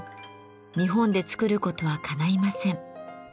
日本で作ることはかないません。